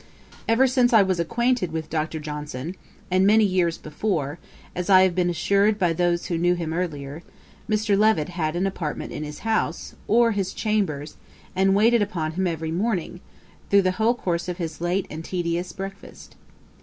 Ever since I was acquainted with Dr. Johnson, and many years before, as I have been assured by those who knew him earlier, Mr. Levet had an apartment in his house, or his chambers, and waited upon him every morning, through the whole course of his late and tedious breakfast.